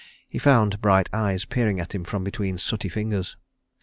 He found bright eyes peering at him from between sooty fingers.